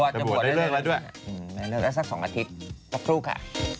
จะบวชได้แล้วด้วยแล้วสัก๒อาทิตย์รับคลุกค่ะ